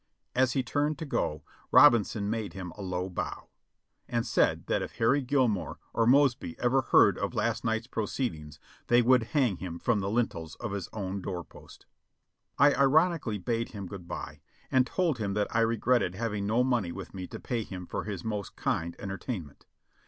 As he turned to go, Robinson made him a low bow, and said that if Harry Gilmor or Mosby ever heard of last night's proceed ings they would hang him from the lintels of his door post. I ironically bade him good by, and told him that I regretted hav ing no money with me to pay him for his most kind entertain ment.